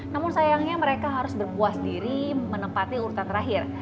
namun sayangnya mereka harus berpuas diri menempati urutan terakhir